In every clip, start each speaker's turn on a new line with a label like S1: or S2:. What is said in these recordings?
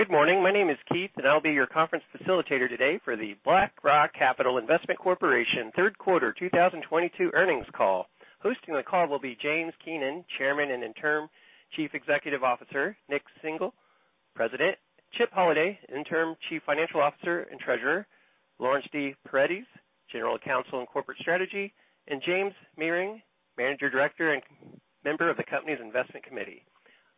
S1: Good morning. My name is Keith, and I'll be your conference facilitator today for the BlackRock Capital Investment Corporation Third Quarter 2022 Earnings Call. Hosting the call will be James Keenan, Chairman and Interim Chief Executive Officer, Nik Singhal, President, Chip Holladay, Interim Chief Financial Officer and Treasurer, Laurence D. Paredes, General Counsel and Corporate Secretary, and Jason Mehring, Managing Director and member of the company's investment committee.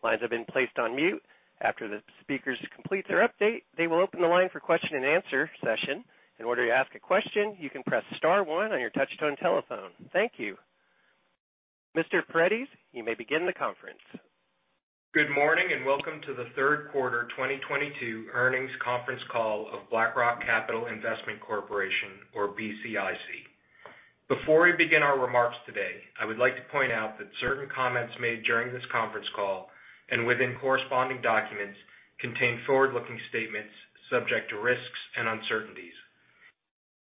S1: Lines have been placed on mute. After the speakers complete their update, they will open the line for question and answer session. In order to ask a question, you can press star one on your touch-tone telephone. Thank you. Mr. Paredes, you may begin the conference.
S2: Good morning, and welcome to the third quarter 2022 earnings conference call of BlackRock Capital Investment Corporation, or BCIC. Before we begin our remarks today, I would like to point out that certain comments made during this conference call and within corresponding documents contain forward-looking statements subject to risks and uncertainties.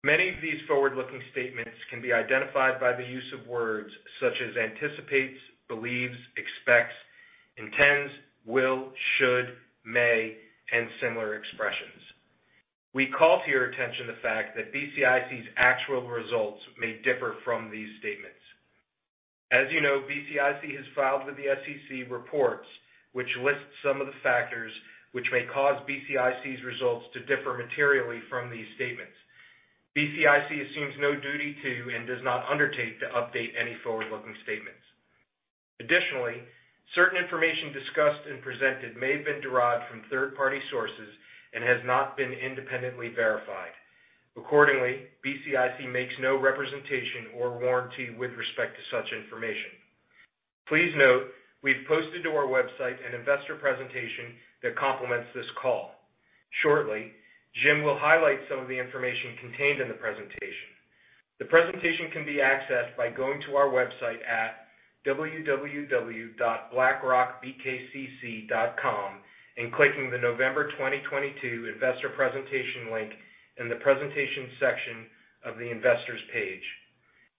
S2: Many of these forward-looking statements can be identified by the use of words such as anticipates, believes, expects, intends, will, should, may, and similar expressions. We call to your attention the fact that BCIC's actual results may differ from these statements. As you know, BCIC has filed with the SEC reports which list some of the factors which may cause BCIC's results to differ materially from these statements. BCIC assumes no duty to and does not undertake to update any forward-looking statements. Additionally, certain information discussed and presented may have been derived from third-party sources and has not been independently verified. Accordingly, BCIC makes no representation or warranty with respect to such information. Please note we've posted to our website an investor presentation that complements this call. Shortly, Jim will highlight some of the information contained in the presentation. The presentation can be accessed by going to our website at www.blackrockbkcc.com and clicking the November 2022 investor presentation link in the Presentation section of the Investors page.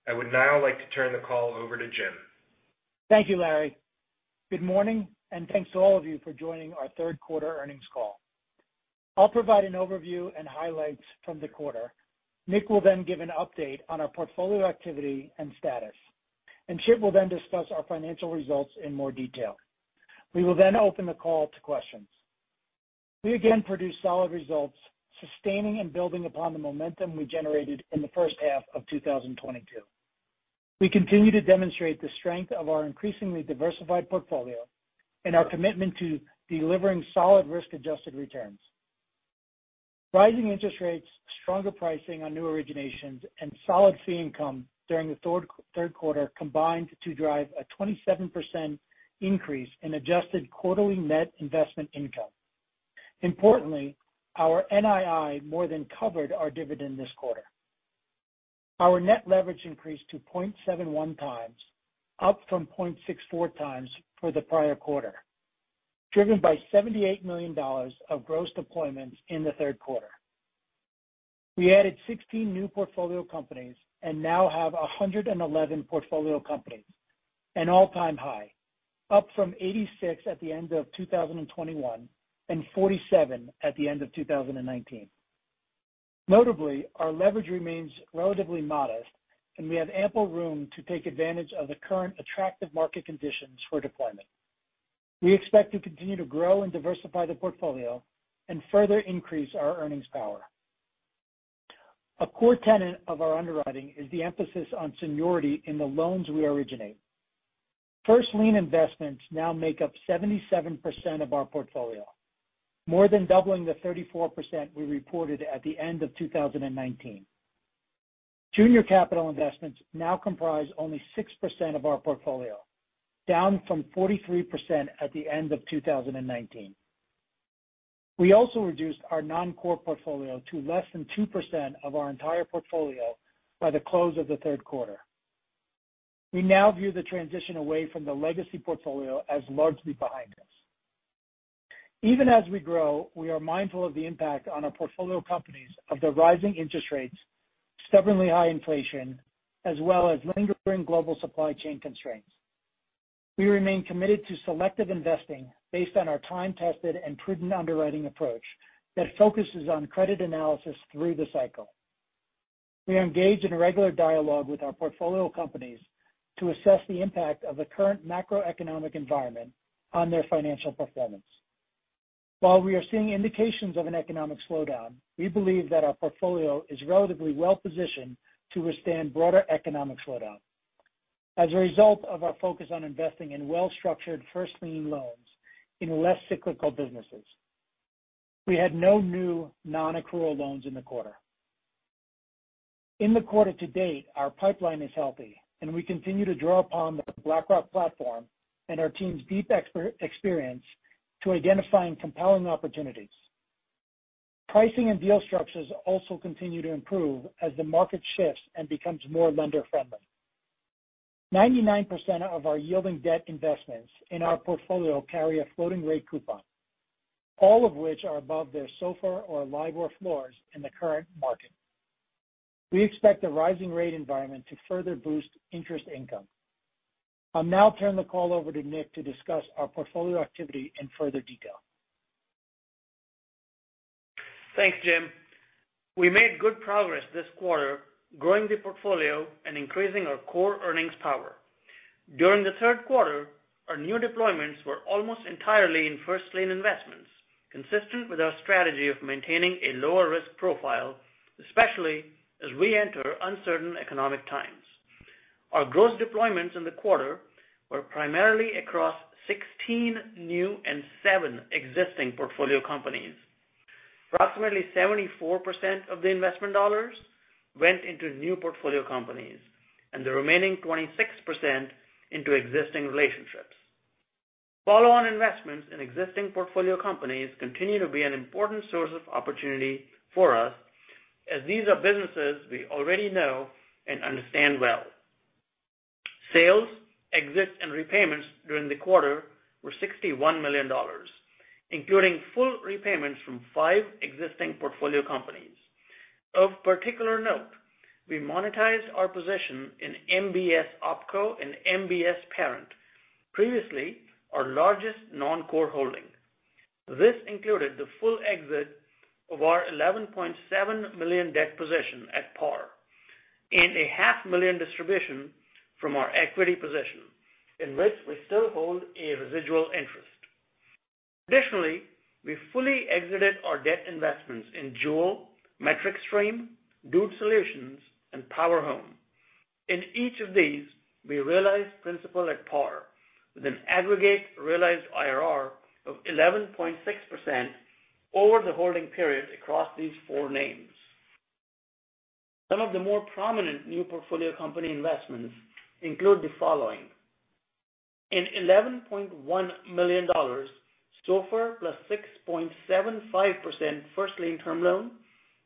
S2: I would now like to turn the call over to Jim.
S3: Thank you, Larry. Good morning, and thanks to all of you for joining our third quarter earnings call. I'll provide an overview and highlights from the quarter. Nik will then give an update on our portfolio activity and status, and Chip will then discuss our financial results in more detail. We will then open the call to questions. We again produced solid results, sustaining and building upon the momentum we generated in the first half of 2022. We continue to demonstrate the strength of our increasingly diversified portfolio and our commitment to delivering solid risk-adjusted returns. Rising interest rates, stronger pricing on new originations, and solid fee income during the third quarter combined to drive a 27% increase in adjusted quarterly net investment income. Importantly, our NII more than covered our dividend this quarter. Our net leverage increased to 0.71x, up from 0.64x for the prior quarter, driven by $78 million of gross deployments in the third quarter. We added 16 new portfolio companies and now have 111 portfolio companies, an all-time high, up from 86 at the end of 2021 and 47 at the end of 2019. Notably, our leverage remains relatively modest, and we have ample room to take advantage of the current attractive market conditions for deployment. We expect to continue to grow and diversify the portfolio and further increase our earnings power. A core tenet of our underwriting is the emphasis on seniority in the loans we originate. First-lien investments now make up 77% of our portfolio, more than doubling the 34% we reported at the end of 2019. Junior capital investments now comprise only 6% of our portfolio, down from 43% at the end of 2019. We also reduced our non-core portfolio to less than 2% of our entire portfolio by the close of the third quarter. We now view the transition away from the legacy portfolio as largely behind us. Even as we grow, we are mindful of the impact on our portfolio companies of the rising interest rates, stubbornly high inflation, as well as lingering global supply chain constraints. We remain committed to selective investing based on our time-tested and prudent underwriting approach that focuses on credit analysis through the cycle. We engage in a regular dialogue with our portfolio companies to assess the impact of the current macroeconomic environment on their financial performance. While we are seeing indications of an economic slowdown, we believe that our portfolio is relatively well positioned to withstand broader economic slowdown as a result of our focus on investing in well-structured first lien loans in less cyclical businesses. We had no new non-accrual loans in the quarter. In the quarter to date, our pipeline is healthy, and we continue to draw upon the BlackRock platform and our team's deep experience to identifying compelling opportunities. Pricing and deal structures also continue to improve as the market shifts and becomes more lender-friendly. 99% of our yielding debt investments in our portfolio carry a floating rate coupon, all of which are above their SOFR or LIBOR floors in the current market. We expect the rising rate environment to further boost interest income. I'll now turn the call over to Nik to discuss our portfolio activity in further detail.
S4: Thanks, Jim. We made good progress this quarter growing the portfolio and increasing our core earnings power. During the third quarter, our new deployments were almost entirely in first lien investments, consistent with our strategy of maintaining a lower risk profile, especially as we enter uncertain economic times. Our gross deployments in the quarter were primarily across 16 new and seven existing portfolio companies. Approximately 74% of the investment dollars went into new portfolio companies and the remaining 26% into existing relationships. Follow-on investments in existing portfolio companies continue to be an important source of opportunity for us as these are businesses we already know and understand well. Sales, exits, and repayments during the quarter were $61 million, including full repayments from five existing portfolio companies. Of particular note, we monetized our position in MBS Opco and MBS Parent, previously our largest non-core holding. This included the full exit of our $11.7 million debt position at par in a $0.5 million distribution from our equity position, in which we still hold a residual interest. Additionally, we fully exited our debt investments in Juul, MetricStream, Dude Solutions and Power Home Remodeling. In each of these, we realized principal at par with an aggregate realized IRR of 11.6% over the holding period across these four names. Some of the more prominent new portfolio company investments include the following. In $11.1 million SOFR + 6.75% first lien term loan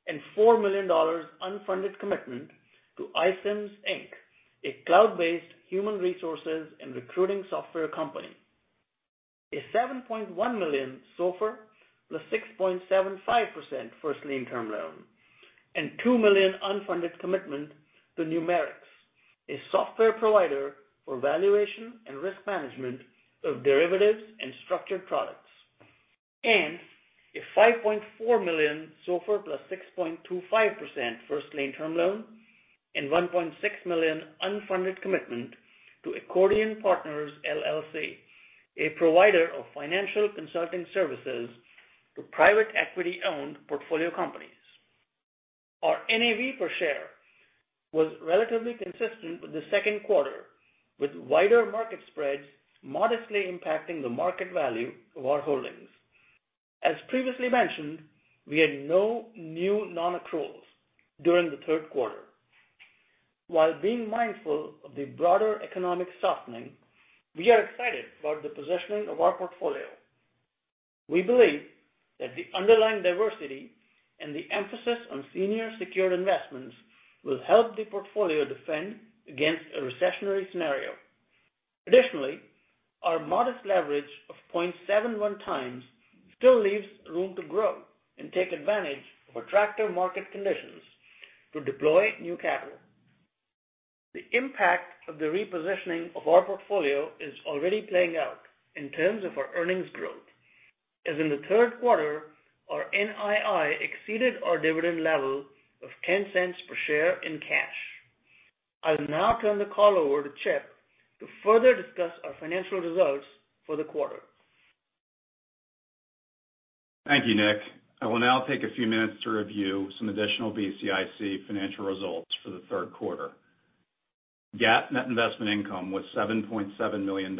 S4: and $4 million unfunded commitment to iCIMS, Inc., a cloud-based human resources and recruiting software company. A $7.1 million SOFR + 6.75% first lien term loan and $2 million unfunded commitment to Numerix, a software provider for valuation and risk management of derivatives and structured products. A $5.4 million SOFR + 6.25% first lien term loan and $1.6 million unfunded commitment to Accordion Partners LLC, a provider of financial consulting services to private equity-owned portfolio companies. Our NAV per share was relatively consistent with the second quarter, with wider market spreads modestly impacting the market value of our holdings. As previously mentioned, we had no new non-accruals during the third quarter. While being mindful of the broader economic softening, we are excited about the positioning of our portfolio. We believe that the underlying diversity and the emphasis on senior secured investments will help the portfolio defend against a recessionary scenario. Additionally, our modest leverage of 0.71x still leaves room to grow and take advantage of attractive market conditions to deploy new capital. The impact of the repositioning of our portfolio is already playing out in terms of our earnings growth as in the third quarter our NII exceeded our dividend level of $0.10 per share in cash. I'll now turn the call over to Chip to further discuss our financial results for the quarter.
S5: Thank you, Nik. I will now take a few minutes to review some additional BCIC financial results for the third quarter. GAAP net investment income was $7.7 million,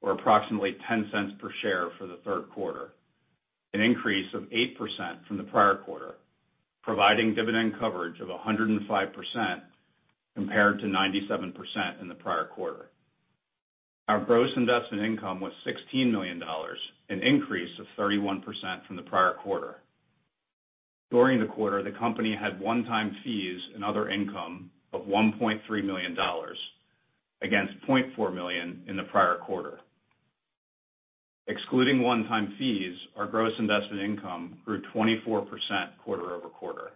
S5: or approximately $0.10 per share for the third quarter, an increase of 8% from the prior quarter, providing dividend coverage of 105% compared to 97% in the prior quarter. Our gross investment income was $16 million, an increase of 31% from the prior quarter. During the quarter, the company had one-time fees and other income of $1.3 million against $0.4 million in the prior quarter. Excluding one-time fees, our gross investment income grew 24% quarter-over-quarter.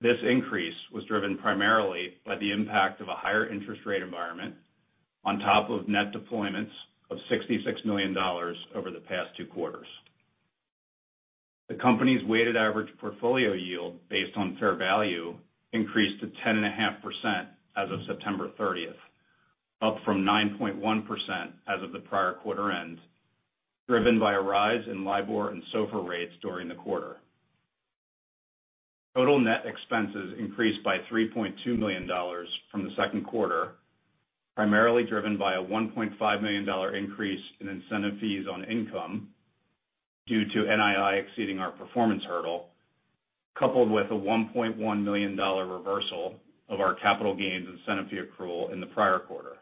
S5: This increase was driven primarily by the impact of a higher interest rate environment on top of net deployments of $66 million over the past two quarters. The company's weighted average portfolio yield based on fair value increased to 10.5% as of September 30, up from 9.1% as of the prior quarter end, driven by a rise in LIBOR and SOFR rates during the quarter. Total net expenses increased by $3.2 million from the second quarter, primarily driven by a $1.5 million increase in incentive fees on income due to NII exceeding our performance hurdle, coupled with a $1.1 million reversal of our capital gains incentive fee accrual in the prior quarter.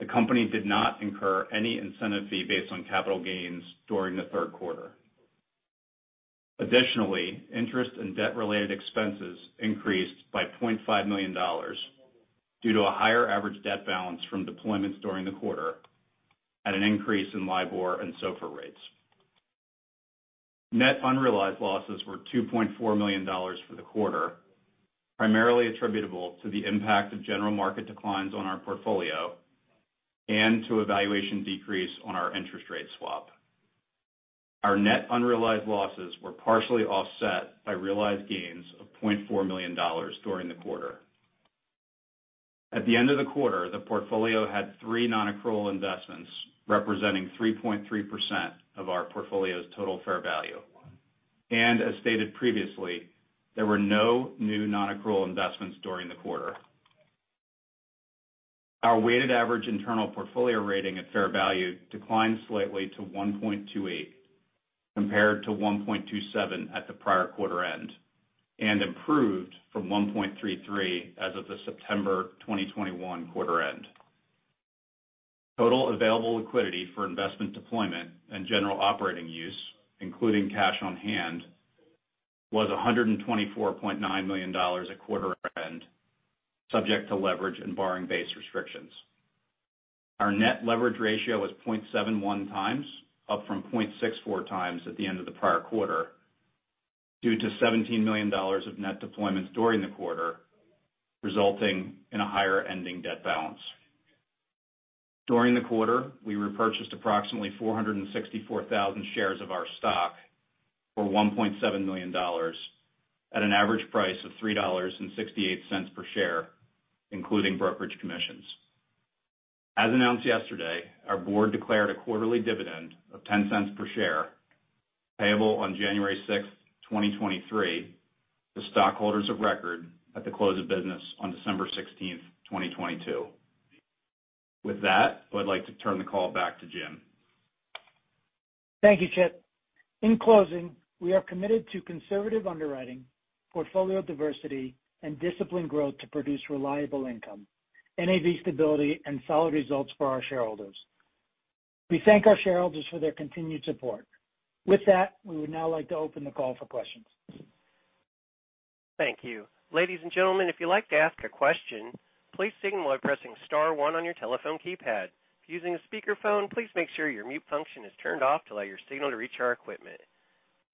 S5: The company did not incur any incentive fee based on capital gains during the third quarter. Additionally, interest and debt-related expenses increased by $0.5 million due to a higher average debt balance from deployments during the quarter at an increase in LIBOR and SOFR rates. Net unrealized losses were $2.4 million for the quarter, primarily attributable to the impact of general market declines on our portfolio and to a valuation decrease on our interest rate swap. Our net unrealized losses were partially offset by realized gains of $0.4 million during the quarter. At the end of the quarter, the portfolio had three non-accrual investments representing 3.3% of our portfolio's total fair value. As stated previously, there were no new non-accrual investments during the quarter. Our weighted average internal portfolio rating at fair value declined slightly to 1.28, compared to 1.27 at the prior quarter end, and improved from 1.33 as of the September 2021 quarter-end. Total available liquidity for investment deployment and general operating use, including cash on hand, was $124.9 million at quarter end, subject to leverage and borrowing base restrictions. Our net leverage ratio was 0.71x, up from 0.64x at the end of the prior quarter, due to $17 million of net deployments during the quarter, resulting in a higher ending debt balance. During the quarter, we repurchased approximately 464,000 shares of our stock for $1.7 million at an average price of $3.68 per share, including brokerage commissions. As announced yesterday, our board declared a quarterly dividend of $0.10 per share, payable on January 6, 2023 to stockholders of record at the close of business on December 16, 2022. With that, I'd like to turn the call back to Jim.
S3: Thank you, Chip. In closing, we are committed to conservative underwriting, portfolio diversity, and disciplined growth to produce reliable income, NAV stability, and solid results for our shareholders. We thank our shareholders for their continued support. With that, we would now like to open the call for questions.
S1: Thank you. Ladies and gentlemen, if you'd like to ask a question, please signal by pressing star one on your telephone keypad. If using a speakerphone, please make sure your mute function is turned off to allow your signal to reach our equipment.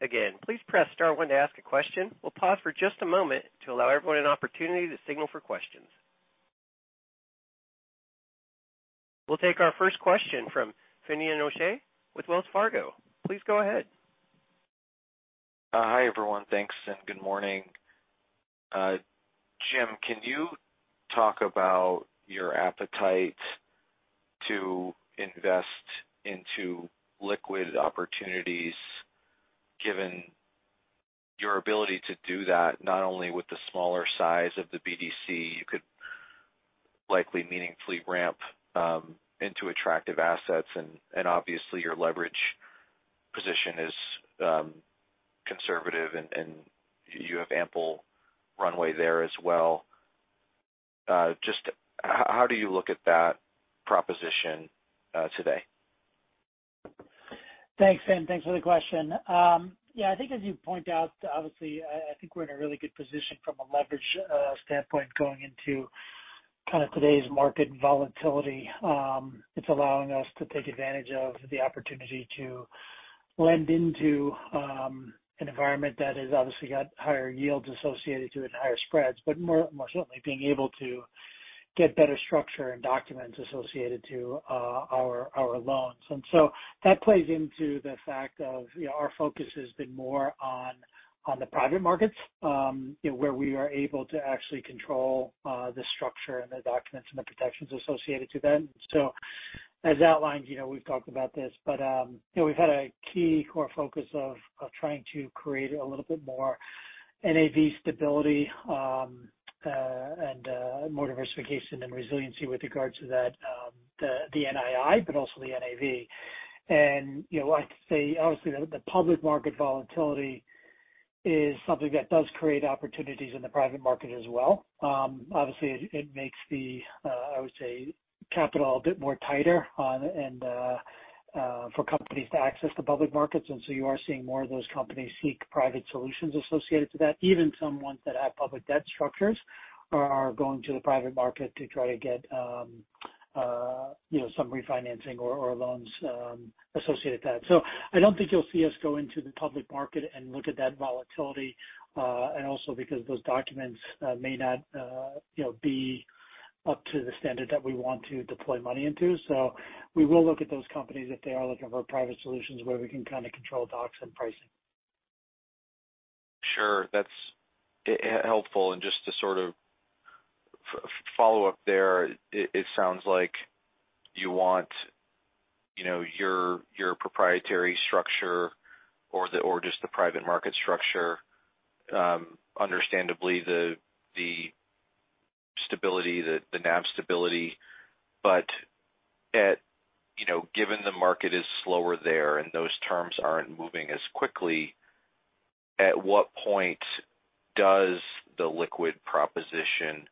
S1: Again, please press star one to ask a question. We'll pause for just a moment to allow everyone an opportunity to signal for questions. We'll take our first question from Finian O'Shea with Wells Fargo. Please go ahead.
S6: Hi, everyone. Thanks, and good morning. Jim, can you talk about your appetite to invest into liquid opportunities, given your ability to do that, not only with the smaller size of the BDC, you could likely meaningfully ramp into attractive assets and obviously your leverage position is conservative and you have ample runway there as well. Just how do you look at that proposition today?
S3: Thanks, Finn. Thanks for the question. Yeah, I think as you point out, obviously, I think we're in a really good position from a leverage standpoint going into kind of today's market volatility. It's allowing us to take advantage of the opportunity to lend into an environment that has obviously got higher yields associated to it and higher spreads, but more certainly being able to get better structure and documents associated to our loans. That plays into the fact of, you know, our focus has been more on the private markets, you know, where we are able to actually control the structure and the documents and the protections associated to them. As outlined, you know, we've talked about this, but, you know, we've had a key core focus of trying to create a little bit more NAV stability, and more diversification and resiliency with regards to that, the NII, but also the NAV. You know, I'd say obviously the public market volatility is something that does create opportunities in the private market as well. Obviously it makes the I would say capital a bit more tighter on and for companies to access the public markets. You are seeing more of those companies seek private solutions associated to that. Even some ones that have public debt structures are going to the private market to try to get you know some refinancing or loans associated to that. I don't think you'll see us go into the public market and look at that volatility, and also because those documents may not, you know, be up to the standard that we want to deploy money into. We will look at those companies if they are looking for private solutions where we can kind of control docs and pricing.
S6: Sure. That's helpful. Just to sort of follow up there, it sounds like you want, you know, your proprietary structure or just the private market structure, understandably the stability, the NAV stability. But you know, given the market is slower there and those terms aren't moving as quickly, at what point does the liquid proposition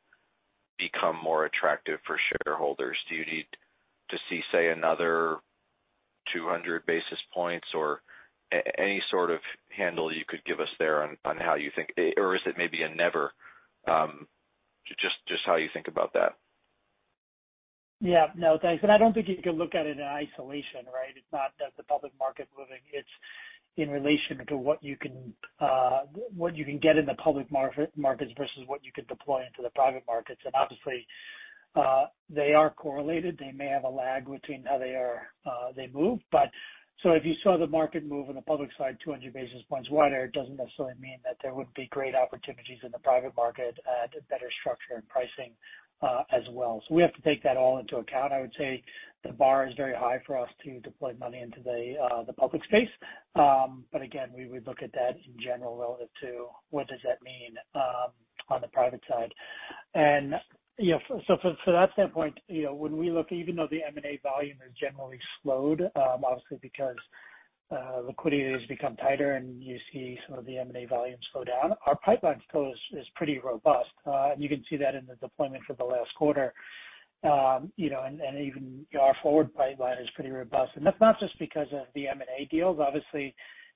S6: become more attractive for shareholders? Do you need to see, say, another 200 basis points or any sort of handle you could give us there on how you think? Or is it maybe never, just how you think about that?
S3: Yeah. No, thanks. I don't think you can look at it in isolation, right? It's not that the public market moving, it's in relation to what you can get in the public markets versus what you could deploy into the private markets. Obviously, they are correlated. They may have a lag between how they move. If you saw the market move on the public side 200 basis points wider, it doesn't necessarily mean that there would be great opportunities in the private market at a better structure and pricing, as well. We have to take that all into account. I would say the bar is very high for us to deploy money into the public space. Again, we would look at that in general relative to what does that mean on the private side. From that standpoint, you know, when we look even though the M&A volume has generally slowed, obviously because liquidity has become tighter and you see some of the M&A volumes slow down, our pipeline still is pretty robust. You can see that in the deployment for the last quarter. You know, even our forward pipeline is pretty robust. That's not just because of the M&A deals. Obviously,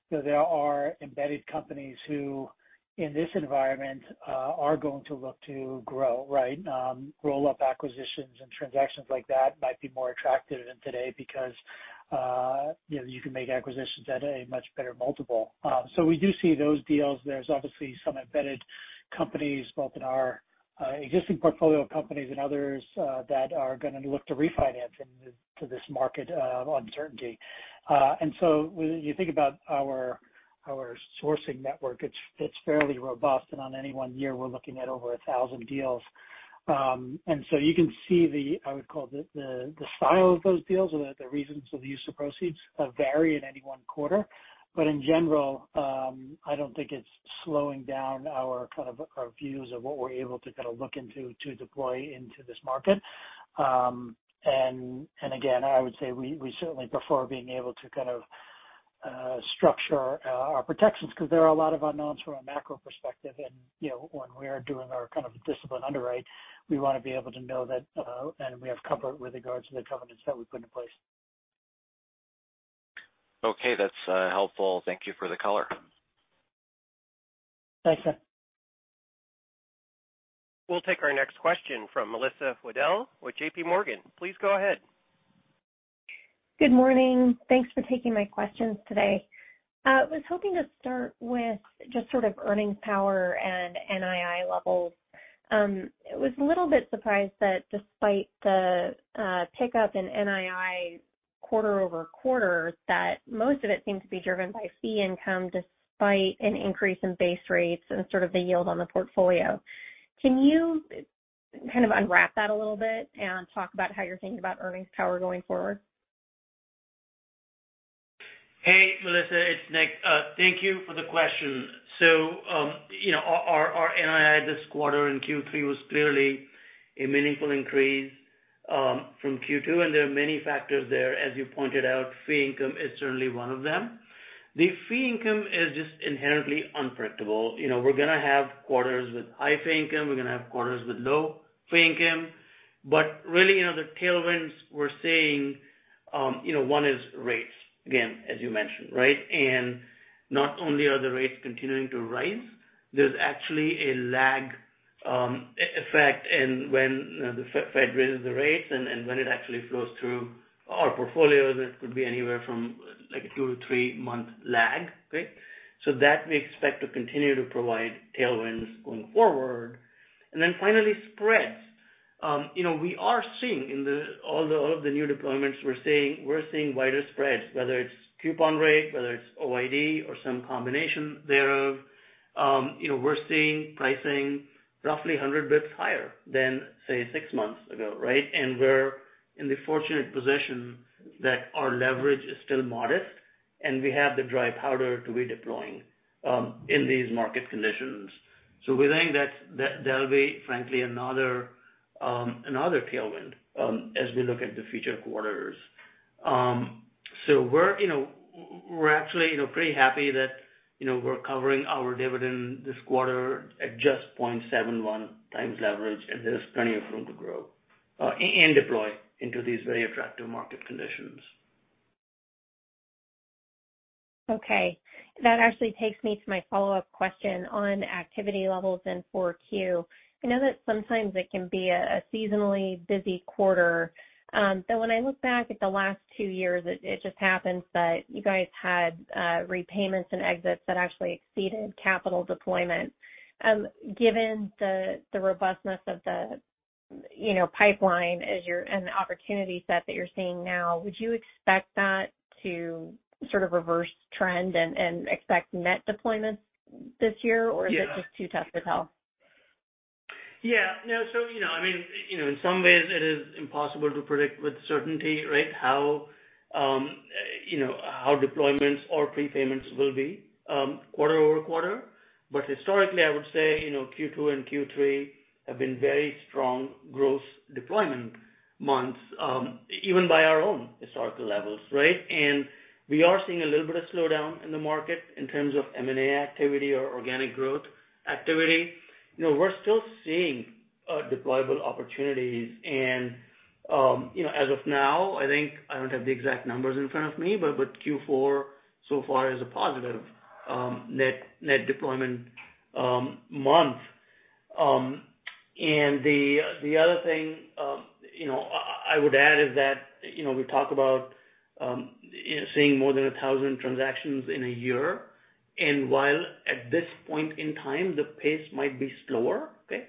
S3: you know, there are embedded companies who in this environment are going to look to grow, right? Roll up acquisitions and transactions like that might be more attractive today because, you know, you can make acquisitions at a much better multiple. We do see those deals. There's obviously some embedded companies both in our existing portfolio of companies and others that are gonna look to refinancing to this market uncertainty. When you think about our sourcing network, it's fairly robust. On any one year, we're looking at over 1,000 deals. You can see the style of those deals or the reasons for the use of proceeds vary in any one quarter. I would call. In general, I don't think it's slowing down our kind of views of what we're able to kind of look into to deploy into this market. Again, I would say we certainly prefer being able to kind of structure our protections because there are a lot of unknowns from a macro perspective. You know, when we are doing our kind of disciplined underwrite, we wanna be able to know that and we have comfort with regards to the covenants that we put in place.
S6: Okay. That's helpful. Thank you for the color.
S3: Thanks, sir.
S1: We'll take our next question from Melissa Weddle with JPMorgan. Please go ahead.
S7: Good morning. Thanks for taking my questions today. Was hoping to start with just sort of earnings power and NII levels. Was a little bit surprised that despite the pickup in NII quarter-over-quarter, that most of it seemed to be driven by fee income despite an increase in base rates and sort of the yield on the portfolio. Can you kind of unwrap that a little bit and talk about how you're thinking about earnings power going forward?
S4: Hey, Melissa, it's Nik. Thank you for the question. You know, our NII this quarter in Q3 was clearly a meaningful increase from Q2, and there are many factors there. As you pointed out, fee income is certainly one of them. The fee income is just inherently unpredictable. You know, we're gonna have quarters with high fee income. We're gonna have quarters with low fee income. Really, you know, the tailwinds we're seeing, one is rates, again, as you mentioned, right? Not only are the rates continuing to rise, there's actually a lag effect in when, you know, the Fed raises the rates and when it actually flows through our portfolios. It could be anywherefrom, like, a two -three-month lag. Okay? That we expect to continue to provide tailwinds going forward. Finally, spreads. You know, we are seeing all of the new deployments we're seeing wider spreads, whether it's coupon rate, whether it's OID or some combination thereof. You know, we're seeing pricing roughly 100 basis points higher than, say, six months ago, right? We're in the fortunate position that our leverage is still modest, and we have the dry powder to be deploying in these market conditions. We think that that'll be, frankly, another tailwind as we look at the future quarters. You know, we're actually, you know, pretty happy that, you know, we're covering our dividend this quarter at just 0.71x leverage, and there's plenty of room to grow and deploy into these very attractive market conditions.
S7: Okay. That actually takes me to my follow-up question on activity levels in 4Q. I know that sometimes it can be a seasonally busy quarter. When I look back at the last two years, it just happens that you guys had repayments and exits that actually exceeded capital deployment. Given the robustness of the pipeline, you know, and the opportunity set that you're seeing now, would you expect that to sort of reverse trend and expect net deployments this year?
S4: Yeah.
S7: Is it just too tough to tell?
S4: You know, I mean, you know, in some ways it is impossible to predict with certainty, right, how you know, how deployments or prepayments will be quarter-over-quarter. Historically, I would say, you know, Q2 and Q3 have been very strong gross deployment months, even by our own historical levels, right. We are seeing a little bit of slowdown in the market in terms of M&A activity or organic growth activity. You know, we're still seeing deployable opportunities. You know, as of now, I think I don't have the exact numbers in front of me, but Q4 so far is a positive net deployment month. The other thing I would add is that, you know, we talk about seeing more than 1,000 transactions in a year. While at this point in time the pace might be slower, okay,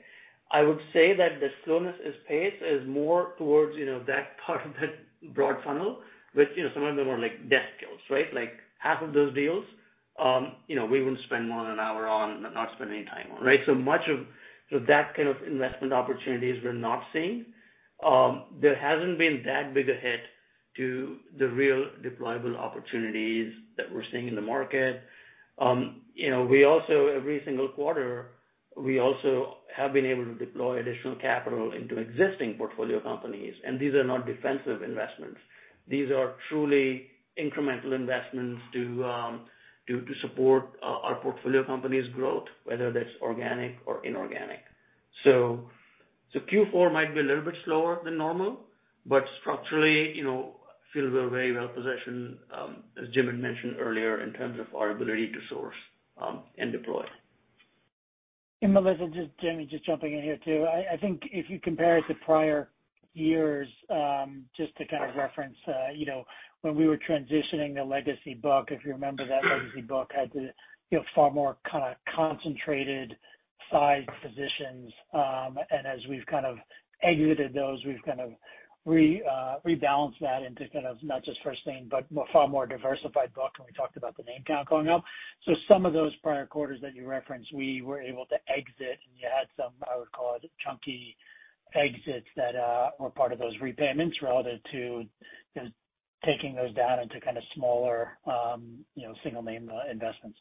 S4: I would say that the slowness in pace is more towards, you know, that part of the broad funnel, which, you know, some of them are like dead deals, right? Like half of those deals, you know, we wouldn't spend more than an hour on, not spend any time on, right? So much of that kind of investment opportunities we're not seeing. There hasn't been that big a hit to the real deployable opportunities that we're seeing in the market. You know, we also every single quarter have been able to deploy additional capital into existing portfolio companies. These are not defensive investments. These are truly incremental investments to support our portfolio companies' growth, whether that's organic or inorganic. Q4 might be a little bit slower than normal, but structurally, you know, feels we're very well positioned, as Jim had mentioned earlier, in terms of our ability to source and deploy.
S3: Melissa, Jamie, just jumping in here too. I think if you compare it to prior years, just to kind of reference, you know, when we were transitioning the legacy book, if you remember that legacy book had, too, you know, far more kind of concentrated size positions. As we've kind of exited those, we've kind of rebalanced that into kind of not just first lien, but far more diversified book. We talked about the name count going up. Some of those prior quarters that you referenced, we were able to exit. You had some, I would call it chunky exits that were part of those repayments relative to just taking those down into kind of smaller single name investments.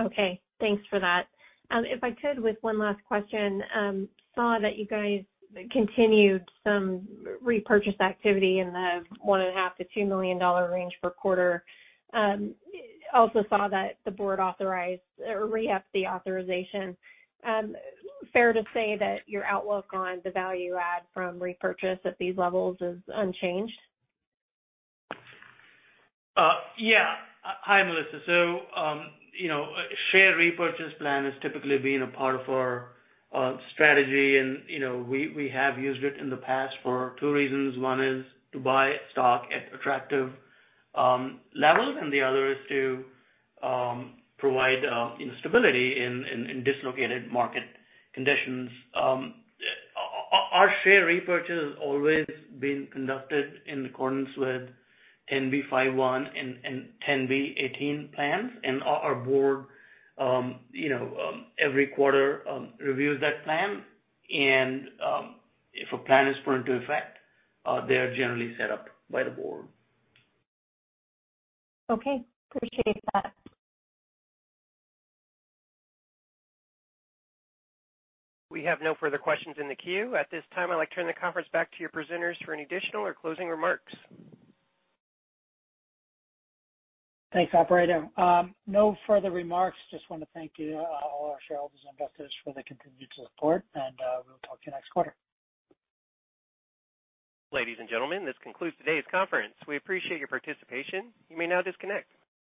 S7: Okay, thanks for that. If I could, with one last question. Saw that you guys continued some repurchase activity in the $1.5 million-$2 million range per quarter. Also saw that the board authorized or re-upped the authorization. Fair to say that your outlook on the value add from repurchase at these levels is unchanged?
S4: Yeah. Hi, Melissa. You know, share repurchase plan has typically been a part of our strategy. You know, we have used it in the past for two reasons. One is to buy stock at attractive levels, and the other is to provide stability in dislocated market conditions. Our share repurchase has always been conducted in accordance with 10b5-1 and 10b-18 plans. Our board, you know, every quarter, reviews that plan. If a plan is put into effect, they are generally set up by the board.
S7: Okay. Appreciate that.
S1: We have no further questions in the queue. At this time, I'd like to turn the conference back to your presenters for any additional or closing remarks.
S3: Thanks, operator. No further remarks. Just want to thank you, all our shareholders and investors for their continued support, and we'll talk to you next quarter.
S1: Ladies and gentlemen, this concludes today's conference. We appreciate your participation. You may now disconnect.